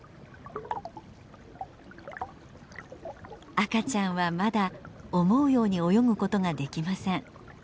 赤ちゃんはまだ思うように泳ぐことができません。